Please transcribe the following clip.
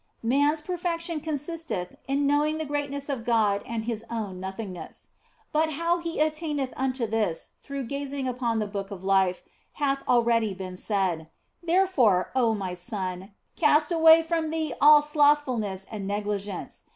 Man s perfection consisteth in knowing the greatness of God and his own nothingness. But how he attaineth OF FOLIGNO 107 unto this through gazing upon that Book of Life hath already been said. Therefore, oh my son, cast away from thee all slothfulness and negligence.